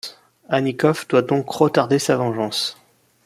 Anickoff doit donc retarder sa vengeance.